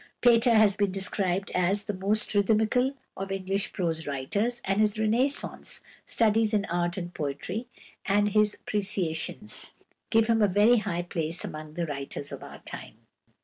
Pater has been described as "the most rhythmical of English prose writers," and his "Renaissance: Studies in Art and Poetry," and his "Appreciations" give him a very high place among the writers of our time.